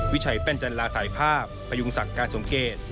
วิชัยแป้นจันลาถ่ายภาพพยุงศักดิ์การสมเกต